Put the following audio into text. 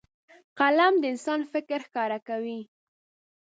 قلم د انسان فکر ښکاره کوي